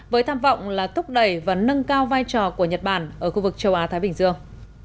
với tham vọng là thúc đẩy và nâng cao vai trò của nhật bản ở khu vực châu á thái bình dương